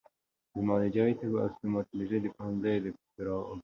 د معالجوي طب او ستوماتولوژي پوهنځیو د فارغانو